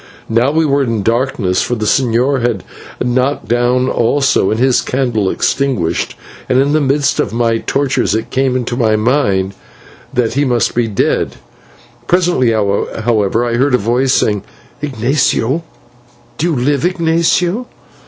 Now we were in darkness, for the señor had been knocked down also, and his candle extinguished, and, in the midst of my tortures, it came into my mind that he must be dead. Presently, however, I heard his voice, saying, "Ignatio; do you live, Ignatio?"